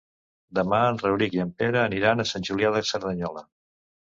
Demà en Rauric i en Pere aniran a Sant Julià de Cerdanyola.